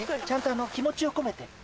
ちゃんと気持ちを込めて。